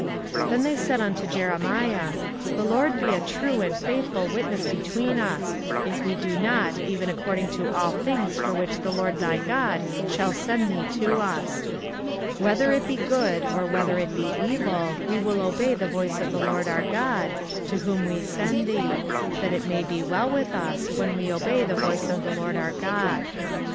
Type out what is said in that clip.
24:042:005 Then they said to Jeremiah, The LORD be a true and faithful witness between us, if we do not even according to all things for the which the LORD thy God shall send thee to us. 24:042:006 Whether it be good, or whether it be evil, we will obey the voice of the LORD our God, to whom we send thee; that it may be well with us, when we obey the voice of the LORD our God.